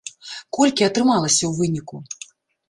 Колькі атрымалася ў выніку?